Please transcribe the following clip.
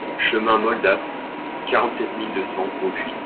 Chemin Mole Daspe, quarante-sept mille deux cents Beaupuy